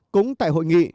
cũng tại hội nghị